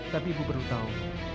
tapi ibu perlu tahu